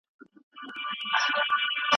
اوس به چيري د زلميو څڼي غورځي